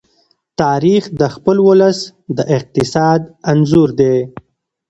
تاریخ د خپل ولس د اقتصاد انځور دی.